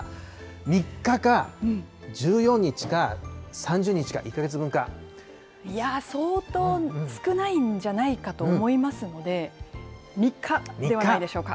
３日か、１４日か、３０日か、いや、相当少ないんじゃないかと思いますので、３日ではないでしょうか。